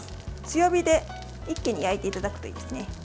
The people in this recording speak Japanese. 強火で一気に焼いていただくといいですね。